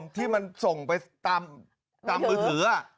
ที่มันส่งไปตามโทรศาสตร์